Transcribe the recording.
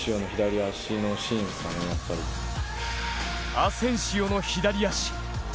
アセンシオの左足。